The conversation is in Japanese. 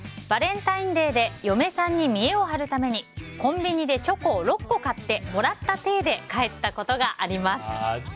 バレンタインデーで嫁さんに見えを張るためにコンビニでチョコを６個買ってもらったていで帰ったことがあります。